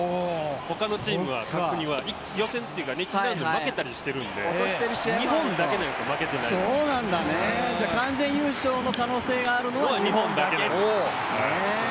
他のチームは予選というか、１次ラウンドで負けたりしているので、日本だけなんです、負けてないのは完全優勝の可能性があるのは日本だけですね。